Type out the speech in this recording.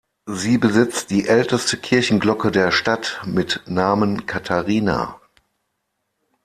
Sie besitzt die älteste Kirchenglocke der Stadt mit Namen "Katharina".